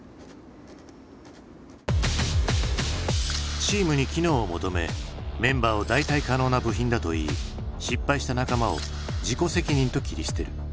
チームに機能を求めメンバーを代替可能な部品だと言い失敗した仲間を自己責任と切り捨てる。